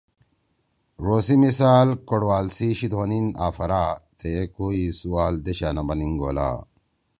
ڙو سی مثال کوڑوال سی شیِد ہونیِن آفرا تھیئے کوئی سُوال دیشا نہ بن انگولا